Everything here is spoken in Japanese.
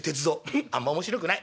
フッあんま面白くない」。